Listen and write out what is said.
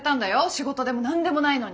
仕事でも何でもないのに。